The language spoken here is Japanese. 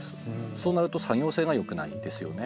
そうなると作業性が良くないんですよね。